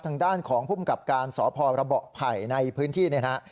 ทางด้านของผู้บังกับการสอบพอร์ระบบภัยในพื้นที่